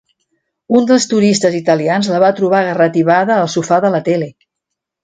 Un dels turistes italians la va trobar garratibada al sofà de la tele.